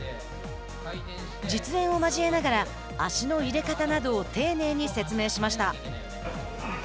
実演を交えながら足の入れ方などを丁寧に説明しました。